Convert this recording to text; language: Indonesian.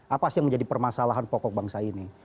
apa sih yang menjadi permasalahan pokok bangsa ini